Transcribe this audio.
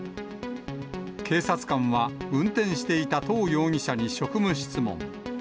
警察官は運転していた唐容疑者に職務質問。